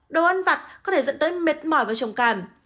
đồ ăn vặt có thể dẫn tới mệt mỏi và trầm cảm